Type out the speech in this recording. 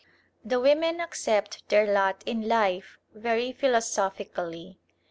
The women accept their lot in life very philosophically.